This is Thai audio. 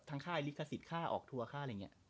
ค่ายลิขสิทธิ์ค่าออกทัวร์ค่าอะไรอย่างนี้